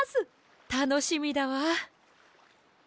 たのしみだわ！